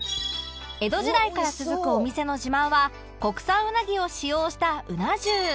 江戸時代から続くお店の自慢は国産うなぎを使用した鰻重